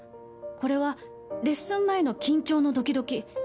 これはレッスン前の緊張のドキドキ。